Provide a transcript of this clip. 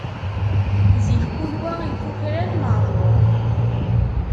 Ziɣ kul wa ikukran, meεduṛ.